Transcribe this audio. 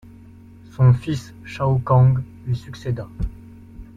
Son fils Shao Kang lui succéda.